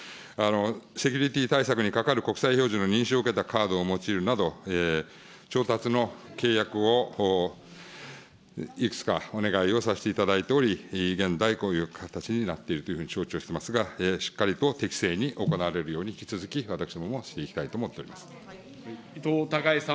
セキュリティー対策に係る国際標準の認証を受けたカードを用いるなど、調達の契約をいくつか、お願いをさせていただいており、現在、こういう形になっているというふうに承知をしていますが、しっかりと適正に行われるように引き続き私のほうもしていきたい伊藤孝恵さん。